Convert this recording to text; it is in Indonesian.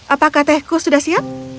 apakah tehku sudah siap